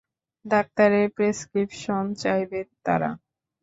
ডাক্তারের প্রেসক্রিপশন চাইবে তারা।